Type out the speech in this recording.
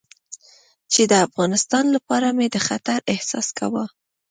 چې د افغانستان لپاره مې د خطر احساس کاوه.